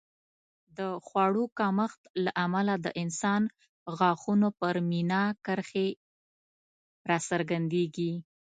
د خوړو کمښت له امله د انسان غاښونو پر مینا کرښې راڅرګندېږي